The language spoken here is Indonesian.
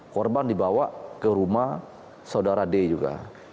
korban dibawa ke rumah saudara d juga